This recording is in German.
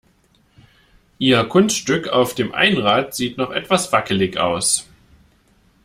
Ihr Kunststück auf dem Einrad sieht noch etwas wackelig aus.